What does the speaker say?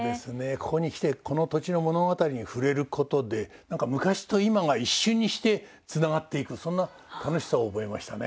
ここに来てこの土地の物語に触れることで何か昔と今が一瞬にしてつながっていくそんな楽しさを覚えましたね